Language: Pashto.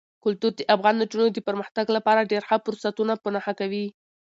کلتور د افغان نجونو د پرمختګ لپاره ډېر ښه فرصتونه په نښه کوي.